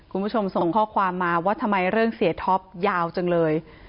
คุณผู้ชมส่งข้อความมาว่าทำไมเรื่องเสียท็อปยาวจังเลย